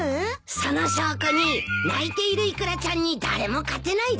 その証拠に泣いているイクラちゃんに誰も勝てないだろ。